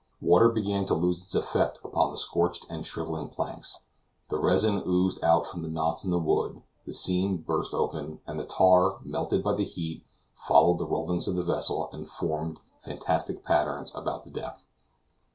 Water began to lose its effect upon the scorched and shriveling planks; the resin oozed out from the knots in the wood, the seams burst open, and the tar, melted by the heat, followed the rollings of the vessel, and formed fantastic patterns about the deck.